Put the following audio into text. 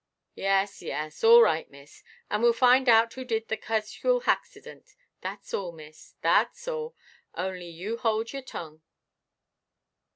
"Yes, yes; all right, miss. And weʼll find out who did the casooal haxident—thatʼs all, miss, thatʼs all. Only you hold your tongue."